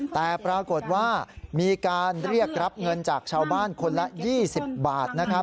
แต่ปรากฏว่ามีการเรียกรับเงินจากชาวบ้านคนละ๒๐บาทนะครับ